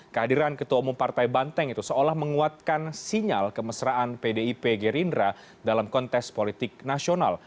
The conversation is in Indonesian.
kehadiran ketua umum partai banteng itu seolah menguatkan sinyal kemesraan pdip gerindra dalam kontes politik nasional